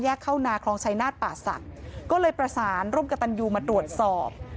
เข้านาคลองชายนาฏป่าศักดิ์ก็เลยประสานร่วมกับตันยูมาตรวจสอบ